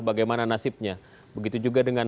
bagaimana nasibnya begitu juga dengan